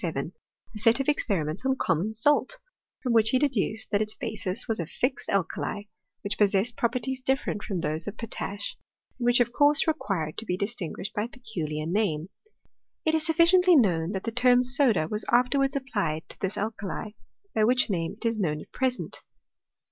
269 published in the memoirs of the French Academy, in the year 1737, a set of experiments on common salt, firom which he deduced that its basis was a fixed al« kali, which possessed properties different from those of potash, and which of course required to be distin guished by a peculiar name. It is sufficiently known Sbat the term soda was afterwards applied to this al kali ; by which name it is known at present.